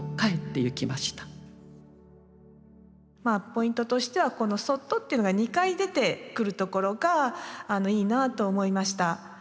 ポイントとしてはこの「そっと」というのが２回出てくるところがいいなと思いました。